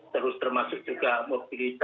terus termasuk juga mobilitas